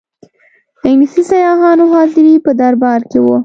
انګلیسي سیاحانو حاضري په دربار کې وه.